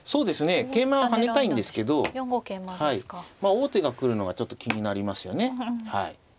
王手が来るのがちょっと気になりますよね。